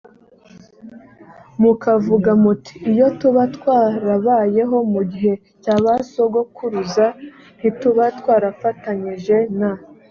mukavuga muti iyo tuba twarabayeho mu gihe cya ba sogokuruza ntituba twarafatanyije na